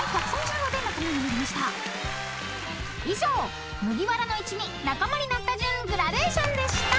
［以上麦わらの一味仲間になった順グラデーションでした］